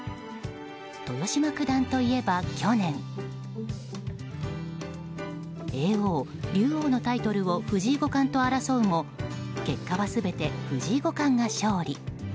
豊島九段といえば去年叡王、竜王のタイトルを藤井五冠と争うも結果は全て藤井五冠が勝利。